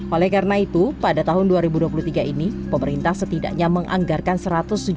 oleh karena itu pada tahun dua ribu dua puluh tiga ini pemerintah setidaknya menganggarkan sebuah perubahan